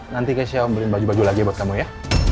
nanti keisha beliin baju baju lagi buat kamu ya